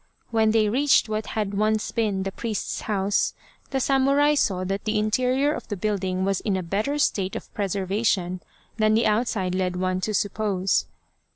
When they reached what had once been the priest's house, the samurai saw that the interior of the building was in a better state of preservation than the outside led one to suppose.